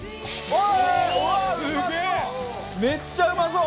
めっちゃうまそう！